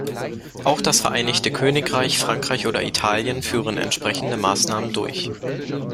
Auch das Vereinigte Königreich, Frankreich oder Italien führen entsprechende Maßnahmen durch.